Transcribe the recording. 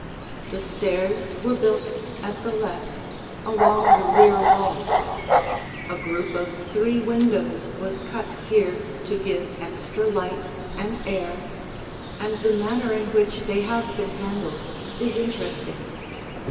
The stairs were built at the left, along the rear wall. A group of three windows was cut here to give extra light and air, and the manner in which they have been handled is interesting.